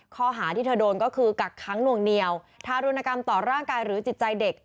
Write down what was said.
ข้อหาที่เธอโดนก็คือกักค้างหน่วงเหนียวทารุณกรรมต่อร่างกายหรือจิตใจเด็ก